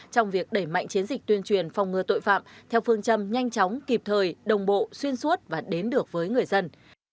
trong việc đẩy mạnh chiến dịch tuyên truyền phòng ngừa tội phạm theo phương châm nhanh chóng kịp thời đồng bộ xuyên suốt và đến được với người dân